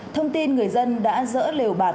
thông tin người dân đã dỡ lều bạc